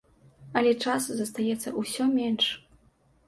Але часу застаецца ўсё менш.